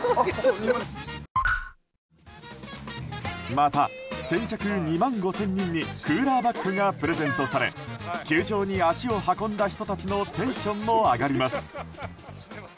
また先着２万５０００人にクーラーバッグがプレゼントされ球場に足を運んだ人たちのテンションも上がります。